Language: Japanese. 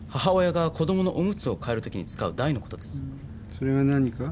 それが何か？